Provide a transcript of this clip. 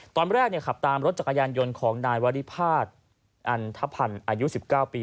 ตอนแรกขับตามรถจักรยานยนต์ของนายวริพาทอันทพันธ์อายุ๑๙ปี